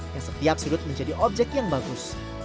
yang setiap sudut menjadi objek yang bagus